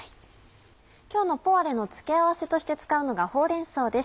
今日のポワレの付け合わせとして使うのがほうれん草です。